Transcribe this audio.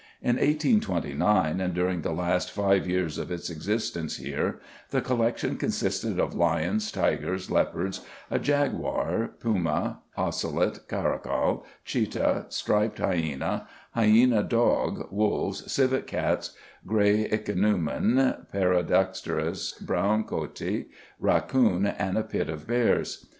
In 1829, and during the last five years of its existence here, the collection consisted of lions, tigers, leopards, a jaguar, puma, ocelot, caracal, chetah, striped hyæna, hyæna dog, wolves, civet cats, grey ichneumon, paradoxurus, brown coati, racoon, and a pit of bears.